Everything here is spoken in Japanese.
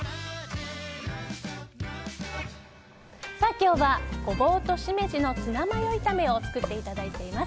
今日はゴボウとシメジのツナマヨ炒めを作っていただいています。